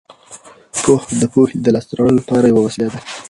پوهه د پوهې د لاسته راوړلو لپاره یوه وسیله ده.